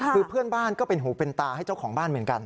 คือเพื่อนบ้านก็เป็นหูเป็นตาให้เจ้าของบ้านเหมือนกัน